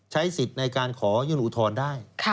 ใช้สิทธิ์ในการขอยื่นอุทธรณ์ได้